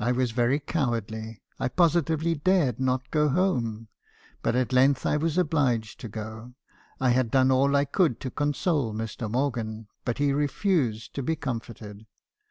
"I was very cowardly. I positively dared not go home; but at length I was obliged to go. I had done all I could to console Mr. Morgan, but he refused to be comforted.